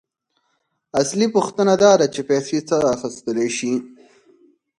اصلي پوښتنه داده چې پیسې څه اخیستلی شي